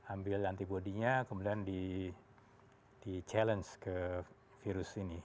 ambil antibody nya kemudian di challenge ke virus ini